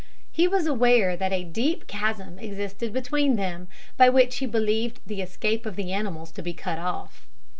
He was aware that a deep chasm existed beyond them, by which he believed the escape of the animals to be cut off.